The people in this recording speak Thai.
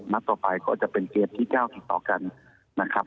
มันต่อไปก็จะเป็นเกมที่เจ้าถึงต่อกันนะครับ